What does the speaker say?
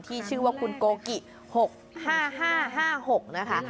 ที่ชื่อว่าคุณโกกิ๖๕๕๖นะคะ